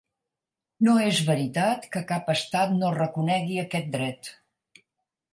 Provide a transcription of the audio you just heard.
No és veritat que cap estat no reconegui aquest dret.